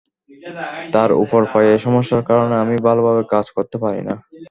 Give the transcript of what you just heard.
তার ওপর পায়ে সমস্যার কারণে আমি ভালোভাবে কাজ করতে পারি না।